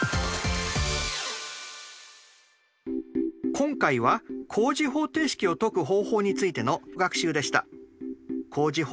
今回は高次方程式を解く方法についての学習でした。